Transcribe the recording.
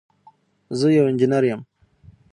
زه یو انجنير یم.